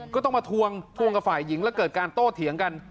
ก็ต้องมาทวงทวงกับฝ่ายหญิงแล้วเกิดการโต้เถียงกัน